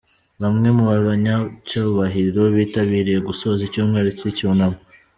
Bamwe mu banyacyubahiro bitabiriye gusoza icyumweru cy'icyunamo.